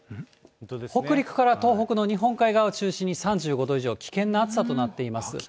北陸から東北の日本海側を中心に３５度以上、危険な暑さとなっています。